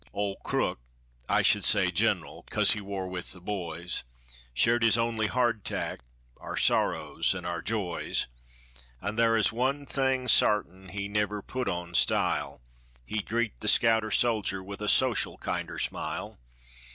Old Crook! I should say gen'l, cos he war with the boys, Shared his only hard tack, our sorrows, and our joys; An' thar is one thing sartin he never put on style; He'd greet the scout or soldier with a social kinder smile.